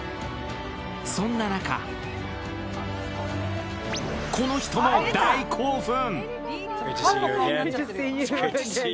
そんな中、この人も大興奮。